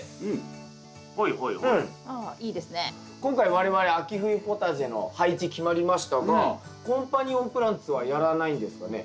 今回我々秋冬ポタジェの配置決まりましたがコンパニオンプランツはやらないんですかね？